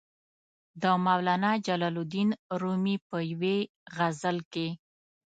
د مولانا جلال الدین رومي په یوې غزل کې.